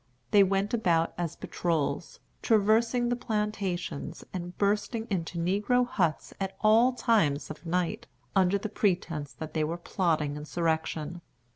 They went about as patrols, traversing the plantations, and bursting into negro huts at all times of night, under the pretence that they were plotting insurrection.